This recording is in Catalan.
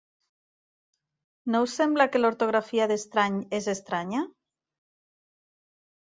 No us sembla que l'ortografia d'estrany és estranya?